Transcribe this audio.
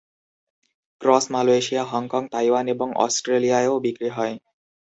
Cross Malaysia, Hong Kong, Taiwan এবং অস্ট্রেলিয়ায়ও বিক্রি হয়।